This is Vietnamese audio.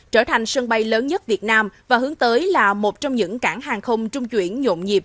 trở thành sân bay lớn nhất việt nam và hướng tới là một trong những cảng hàng không trung chuyển nhộn nhịp